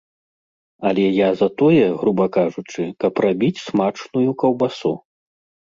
Але я за тое, груба кажучы, каб рабіць смачную каўбасу.